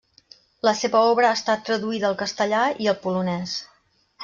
La seva obra ha estat traduïda al castellà i el polonès.